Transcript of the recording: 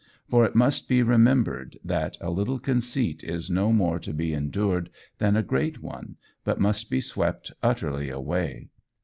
For it must be remembered that a little conceit is no more to be endured than a great one, but must be swept utterly away.